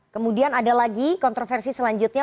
kemudian ada lagi kontroversi selanjutnya